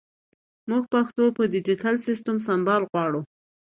مونږ پښتو په ډیجېټل سیسټم سمبال غواړو